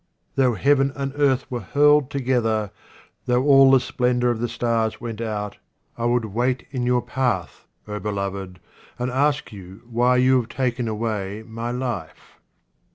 THOUGH heaven and earth were hurled together, though all the splendour of the stars went out, I would wait in your path, O beloved, and ask you why you have taken away my life.